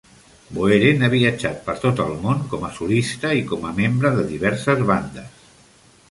Boeren ha viatjat per tot el món, com a solista i com a membre de diverses bandes.